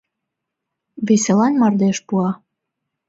Веселан мардеж пуа